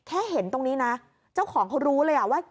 เห็นตรงนี้นะเจ้าของเขารู้เลยว่า